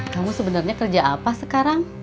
kamu sebenarnya kerja apa sekarang